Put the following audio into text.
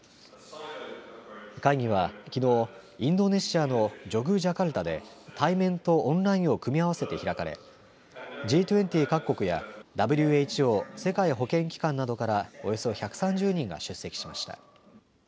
会議はきのうインドネシアのジョグジャカルタで対面とオンラインを組み合わせて開かれＧ２０各国やＷＨＯ・世界保健機関などからおよそ１３０人が出席しました。